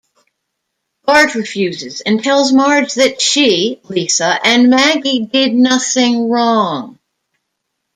Bart refuses and tells Marge that she, Lisa, and Maggie did nothing wrong.